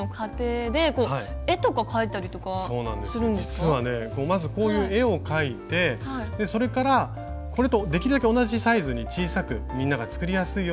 実はねまずこういう絵を描いてそれからこれとできるだけ同じサイズに小さくみんなが作りやすいように作りました。